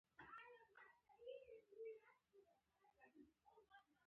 ایا ستاسو څادر به پر اوږه وي؟